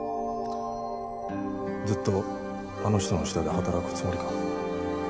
ずっとあの人の下で働くつもりか？